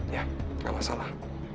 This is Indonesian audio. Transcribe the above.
ya nggak masalah